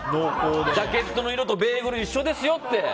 ジャケットの色とベーグル一緒ですよって。